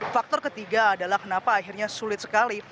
faktor ketiga adalah kenapa akhirnya sulit sekali